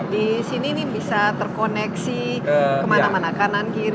di sini ini bisa terkoneksi kemana mana kanan kiri